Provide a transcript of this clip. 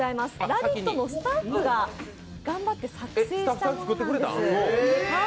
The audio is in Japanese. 「ラヴィット！」のスタッフが頑張って作成したものです。